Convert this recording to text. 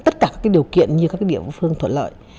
tất cả các cái điều kiện như các cái địa phương thuận lợi